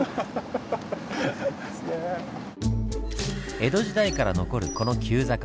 江戸時代から残るこの急坂